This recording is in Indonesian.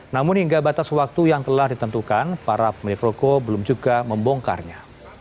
namun hingga batas waktu yang telah ditentukan para pemilik rokok belum juga membongkarnya